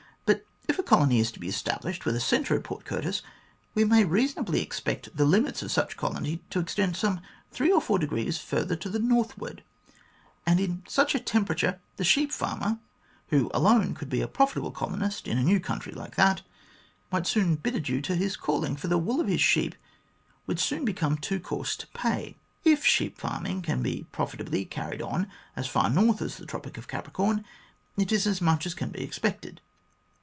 But if a colony is to be established with a centre at Port Curtis, we may reasonably expect the limits of such colony to extend some three or four degrees further to the northward ; and in such a temperature the sheep farmer, who alone could be a profitable colonist in a new country like that, might soon bid adieu to his calling, for the wool of his sheep would soon become too coarse to pay. If sheep farming can be profitably carried on as far north as the Tropic of Capricorn, it is as much as can be expected.